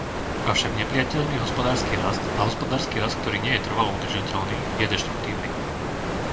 Avšak neprijateľný hospodársky rast a hospodársky rast, ktorý nie je trvalo udržateľný, je deštruktívny.